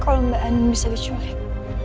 kalau mbak anin bisa diculik